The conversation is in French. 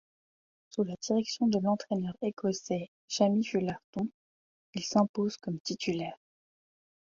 Sous la direction de l'entraîneur écossais Jamie Fullarton, il s'impose comme titulaire.